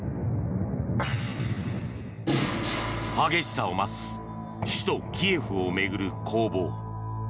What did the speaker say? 激しさを増す首都キエフを巡る攻防。